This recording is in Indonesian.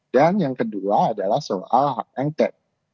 dan yang kedua adalah soal hak ente